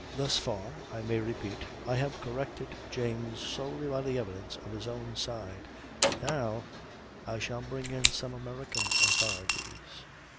Thus far, I may repeat, I have corrected James solely by the evidence of his own side; now I shall bring in some American authorities.